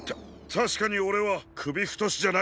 たしかにオレはくびふとしじゃない。